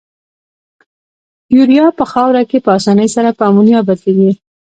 یوریا په خاوره کې په اساني سره په امونیا بدلیږي.